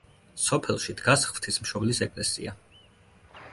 სოფელში დგას ღვთისმშობლის ეკლესია.